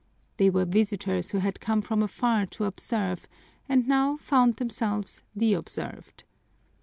They were visitors who had come from afar to observe and now found themselves the observed.